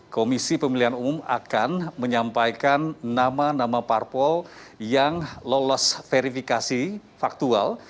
komisi pemilihan umum akan menyampaikan nama nama parpol yang lolos verifikasi faktual